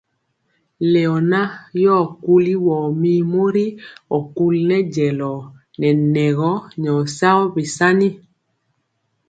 Leona yoo kuli wo mir mori ɔkuli nɛ jelor nɛ nɛgɔ nyor sao beasani.